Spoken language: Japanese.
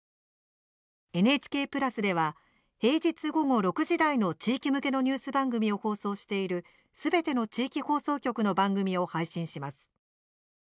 ＮＨＫプラスでは平日午後６時台の地域向けのニュース番組を放送しているすべての地域放送局の番組を配信します。